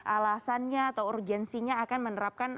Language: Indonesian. alasannya atau urgensinya akan menerapkan